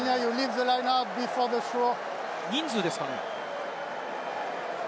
人数ですかね？